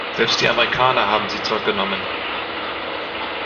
Selbst die Amerikaner haben sie zurückgenommen.